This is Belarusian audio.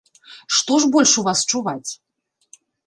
Што ж больш у вас чуваць?